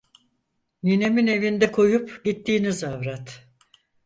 Ninemin evinde koyup gittiğiniz avrat…